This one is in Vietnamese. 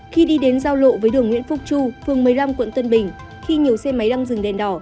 khi đi đến giao lộ với đường nguyễn phúc chu phường một mươi năm quận tân bình khi nhiều xe máy đang dừng đèn đỏ